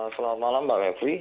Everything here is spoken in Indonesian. selamat malam mbak evli